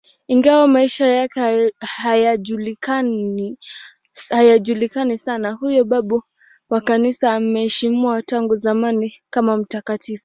Ingawa maisha yake hayajulikani sana, huyo babu wa Kanisa anaheshimiwa tangu zamani kama mtakatifu.